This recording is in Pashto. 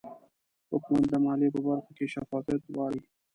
حکومت د مالیې په برخه کې شفافیت غواړي